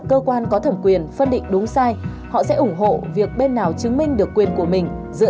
cơ quan có thẩm quyền phân định đúng sai họ sẽ ủng hộ việc bên nào chứng minh được quyền của mình dựa